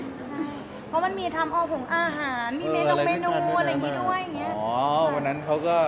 เพราะมันมีทำออกผ่องอาหารมีเม็ดดอกเผนูอะไรอย่างงี้ด้วย